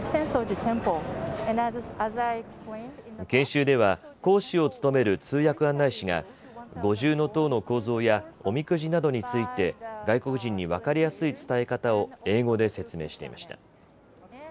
研修では講師を務める通訳案内士が五重塔の構造やおみくじなどについて外国人に分かりやすい伝え方を英語で説明していました。